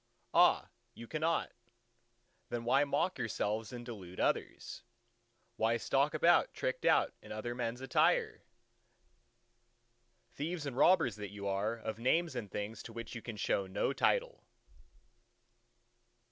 —Ah, you cannot! Then why mock yourselves and delude others? why stalk about tricked out in other men's attire, thieves and robbers that you are of names and things to which you can show no title!